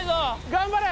頑張れ。